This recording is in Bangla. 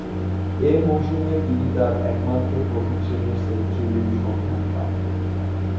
এ মৌসুমে তিনি তার একমাত্র প্রথম-শ্রেণীর সেঞ্চুরির সন্ধান পান।